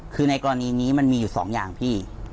คือในกรณีนี้มันมีอยู่สองอย่างพี่